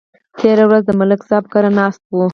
تېره ورځ د ملک صاحب کره ناست وو